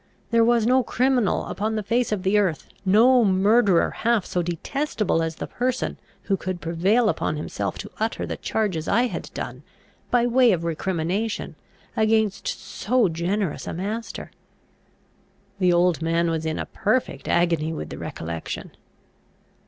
There was no criminal upon the face of the earth, no murderer, half so detestable as the person who could prevail upon himself to utter the charges I had done, by way of recrimination, against so generous a master. The old man was in a perfect agony with the recollection.